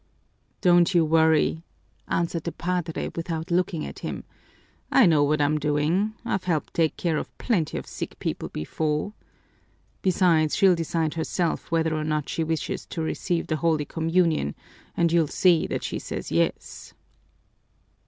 "Don't you worry," answered the padre without looking at him. "I know what I'm doing; I've helped take care of plenty of sick people before. Besides, she'll decide herself whether or not she wishes to receive the holy communion and you'll see that she says yes."